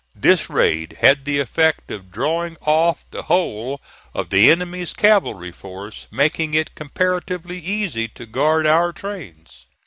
This raid had the effect of drawing off the whole of the enemy's cavalry force, making it comparatively easy to guard our trains.